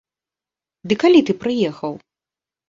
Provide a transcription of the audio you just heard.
Ды калі ты прыехаў?